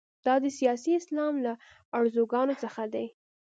دا د سیاسي اسلام له ارزوګانو څخه دي.